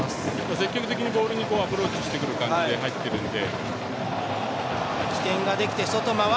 積極的にボールにアプローチしてくる感じで入ってくるので。